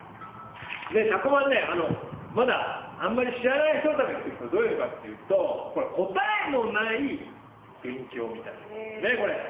「たこマン」はねまだあまり知らない人のために言っておくとどういうのかというと答えのない勉強みたいなのですね。